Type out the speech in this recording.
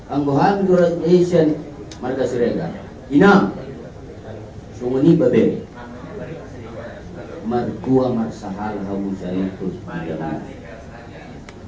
angguhani kura kura asian marga sirega inang sungunibabe marguamarsahar hamusyalikus majalah